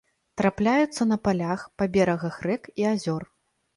Трапляюцца на палях, па берагах рэк і азёр.